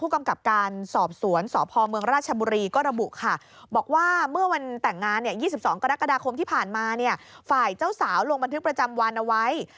เขาไม่ได้ว่าอะไร